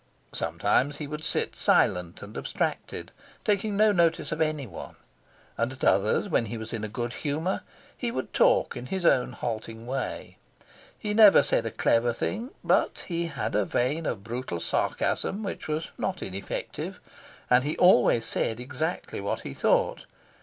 Sometimes he would sit silent and abstracted, taking no notice of anyone; and at others, when he was in a good humour, he would talk in his own halting way. He never said a clever thing, but he had a vein of brutal sarcasm which was not ineffective, and he always said exactly what he thought.